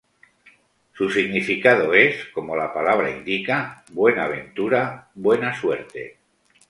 Su significado es, como la palabra indica, "buena ventura", buena suerte.